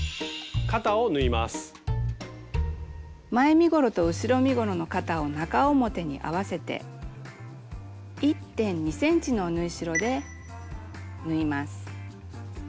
前身ごろと後ろ身ごろの肩を中表に合わせて１．２ｃｍの縫い代で縫います。